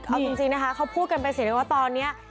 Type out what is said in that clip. เอาจริงนะคะเขาพูดกันไปเสียเลยว่าตอนนี้